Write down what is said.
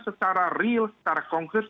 secara real secara konkret